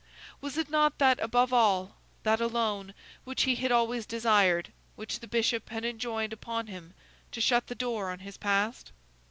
Was it not that above all, that alone, which he had always desired, which the Bishop had enjoined upon him—to shut the door on his past?